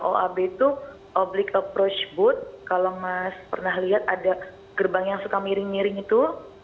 oab itu oblic approach booth kalau mas pernah lihat ada gerbang yang suka miring miring itu